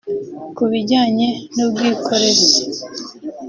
Ku bijyanye n’ubwikorezi